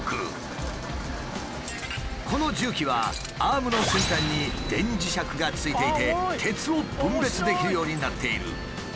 この重機はアームの先端に電磁石が付いていて鉄を分別できるようになっている。